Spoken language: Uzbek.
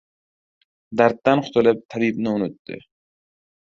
• Darddan qutulib — tabibni unutdi.